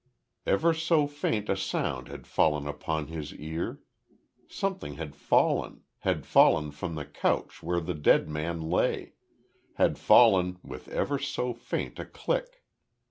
Ever so faint a sound had fallen upon his ear. Something had fallen had fallen from the couch where the dead man lay had fallen with ever so faint a clink.